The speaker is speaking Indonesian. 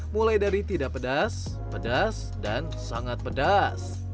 mulai dari tidak pedas pedas dan sangat pedas